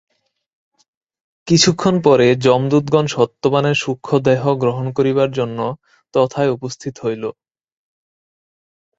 কিছুক্ষণ পরে যমদূতগণ সত্যবানের সূক্ষ্ম দেহ গ্রহণ করিবার জন্য তথায় উপস্থিত হইল।